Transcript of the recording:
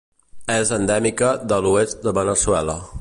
És endèmica de l'oest de Veneçuela.